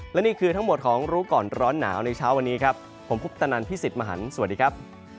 และนี่คือทั้งหมดของรู้ก่อนร้อนหนาวในเช้าวันนี้ครับผมคุปตนันพี่สิทธิ์มหันฯสวัสดีครับ